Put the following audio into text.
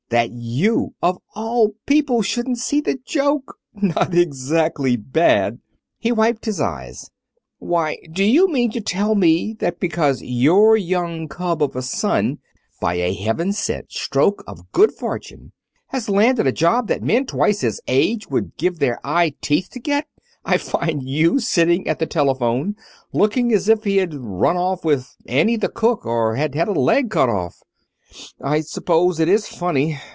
That you, of all people, shouldn't see the joke. Not exactly bad!" He wiped his eyes. "Why, do you mean to tell me that because your young cub of a son, by a heaven sent stroke of good fortune, has landed a job that men twice his age would give their eyeteeth to get, I find you sitting at the telephone looking as if he had run off with Annie the cook, or had had a leg cut off!" "I suppose it is funny.